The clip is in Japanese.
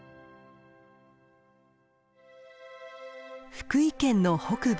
福井県の北部。